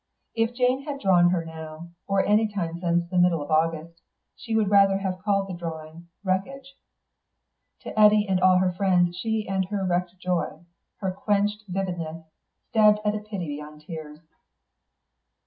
If Jane had drawn her now, or any time since the middle of August, she would rather have called the drawing "Wreckage." To Eddy and all her friends she and her wrecked joy, her quenched vividness, stabbed at a pity beyond tears.